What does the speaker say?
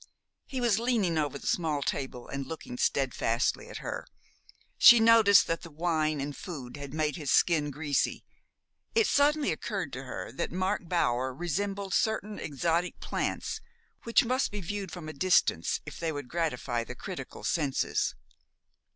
He was leaning over the small table and looking steadfastly at her. She noticed that the wine and food had made his skin greasy. It suddenly occurred to her that Mark Bower resembled certain exotic plants which must be viewed from a distance if they would gratify the critical senses.